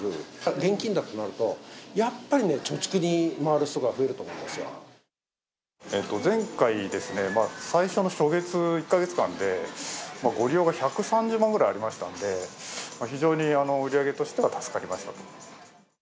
現金となると、やっぱりね、貯蓄に回る人が増えると思うんで前回ですね、最初の初月１か月間で、ご利用が１３０万ぐらいありましたんで、非常に売り上げとしては助かりました。